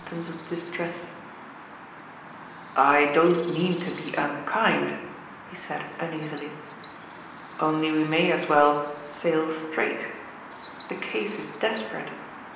toms of distress. ^' I don't mean to be unkind," he said uneasily. '^ Only we may as well ^ sail straight.' The case is desperate.